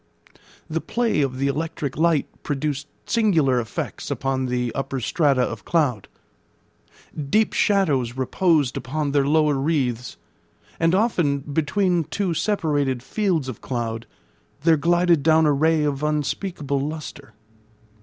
The play of the electric light produced singular effects upon the upper strata of cloud. Deep shadows reposed upon their lower wreaths; and often, between two separated fields of cloud, there glided down a ray of unspeakable lustre.